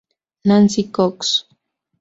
Nancy Cox.